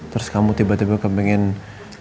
terus kamu tiba tiba bisa ngambil makanan timur tengah